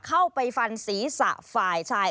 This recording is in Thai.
เข้าไปฟันศีรษะฝ่ายชาย